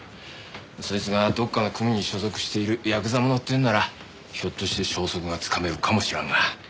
そいつがどっかの組に所属しているヤクザ者っていうんならひょっとして消息がつかめるかもしらんが。